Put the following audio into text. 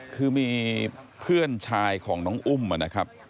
คือมีเพื่อนชายของน้องอุ้มนะครับ